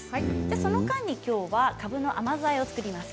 その間にきょうはかぶの甘酢あえを作ります。